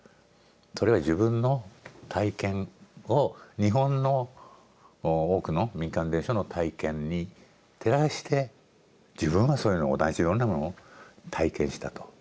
それは自分の体験を日本の多くの民間伝承の体験に照らして自分はそういうの同じようなものを体験したと。